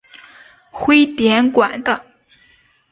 徽典馆的。